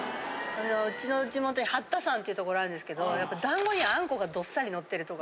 うちの地元に法多山っていうところあるんですけどやっぱ団子にあんこがどっさりのってるとか。